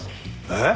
えっ？